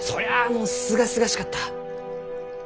もうすがすがしかった！